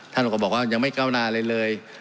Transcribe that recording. ท่านก็บอกว่ายังไม่เก้าหนาเลยเลย